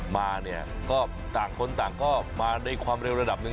มาเนี่ยก็ต่างคนต่างก็มาในความเร็วระดับหนึ่ง